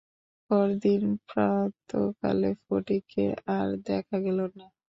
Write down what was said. পরদিন প্রাতঃকালে ফটিককে আর দেখা গেল না।